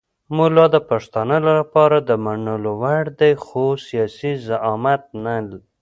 ملا د پښتانه لپاره د منلو وړ دی خو سیاسي زعامت نه.